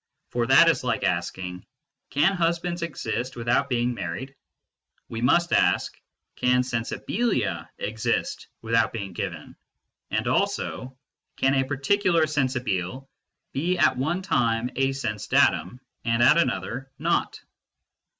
" for that is like asking " Can husbands exist without being married ?" We must ask " Can sensibilia exist without being given ?" and also "Can a particular sensibile be at one time a sense datum, and at another not